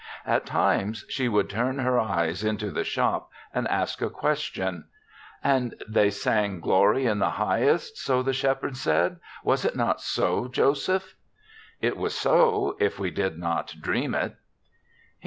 At times she would turn her eyes into the shop THE SEVENTH CHRISTMAS ii and ask a question :" And they sang ' Glory in the highest/ so the shep herds said. Was it not so, Joseph ?'*" It was so, if we did not dream it."